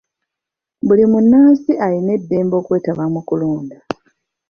Buli munnansi alina eddembe okwetaba mu kulonda.